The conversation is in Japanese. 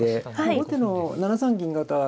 後手の７三銀型